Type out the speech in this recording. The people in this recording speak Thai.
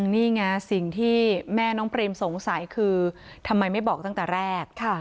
นี่ไงสิ่งที่แม่น้องเปรมสงสัยคือทำไมไม่บอกตั้งแต่แรก